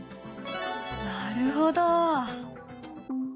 なるほど！